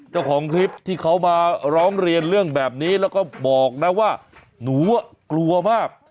เจ้าของคลิปที่เขามาร้องเรียนเรื่องแบบนี้แล้วก็บอกนะว่าหนูกลัวมาก